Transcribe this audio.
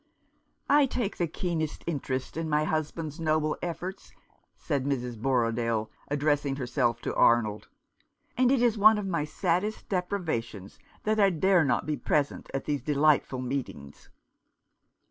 " I take the keenest interest in my husband's noble efforts," said Mrs. Borrodaile, addressing herself to Arnold ;" and it is one of my saddest deprivations that I dare not be present at these delightful meetings."